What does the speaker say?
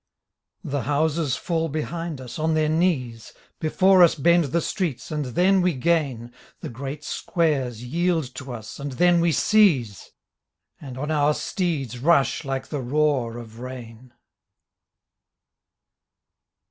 The houses fall behind us on their knees. Before us bend the streets and theiTjwe gain, The great squares yieled to us and theit|we seize — And on our steeds rush like the roar of rain.